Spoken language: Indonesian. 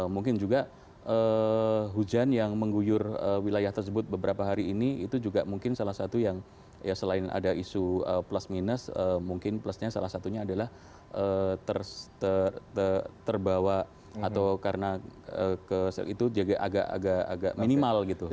mungkin juga hujan yang mengguyur wilayah tersebut beberapa hari ini itu juga mungkin salah satu yang ya selain ada isu plus minus mungkin plusnya salah satunya adalah terbawa atau karena itu agak minimal gitu